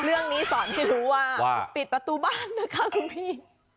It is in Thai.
เรื่องนี้สอนให้รู้ว่าปิดประตูบ้านนะคะคุณพี่